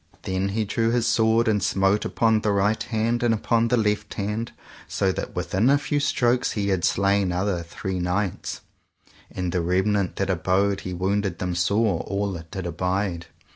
Then he drew his sword and smote upon the right hand and upon the left hand, so that within a few strokes he had slain other three knights, and the remnant that abode he wounded them sore all that did abide.